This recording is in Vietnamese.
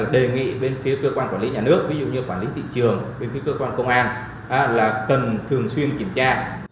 đề nghị bên phía cơ quan quản lý nhà nước ví dụ như quản lý thị trường bên phía cơ quan công an là cần thường xuyên kiểm tra